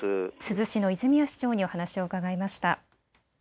珠洲市の泉谷市長にお話を伺いました。